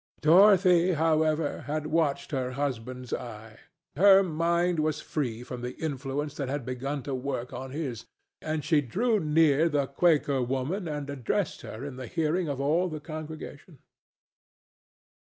Dorothy, however, had watched her husband's eye. Her mind was free from the influence that had begun to work on his, and she drew near the Quaker woman and addressed her in the hearing of all the congregation.